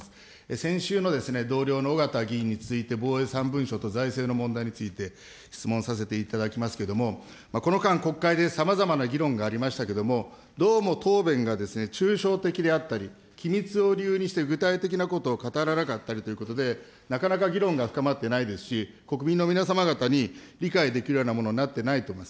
先週の同僚のおがた議員について、防衛３文書の財政の問題について質問させていただきますけれども、この間、国会でさまざまな議論がありましたけども、どうも答弁が抽象的であったり、機密を理由にして具体的なことを語らなかったりということで、なかなか議論が深まってないですし、国民の皆様方に理解できるようなものになってないと思います。